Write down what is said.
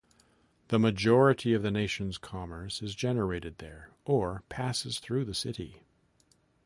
The majority of the nation's commerce is generated there, or passes through the city.